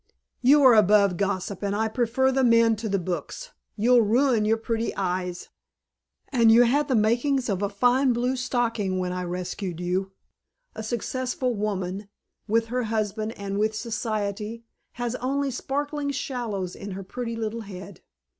"You are above gossip and I prefer the men to the books. You'll ruin your pretty eyes, and you had the makings of a fine bluestocking when I rescued you. A successful woman with her husband and with Society has only sparkling shallows in her pretty little head.